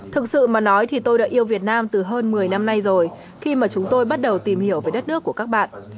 thực sự mà nói thì tôi đã yêu việt nam từ hơn một mươi năm nay rồi khi mà chúng tôi bắt đầu tìm hiểu về đất nước của các bạn